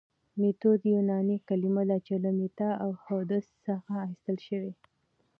ميتود يوناني کلمه ده چي له ميتا او هودس څخه اخستل سوي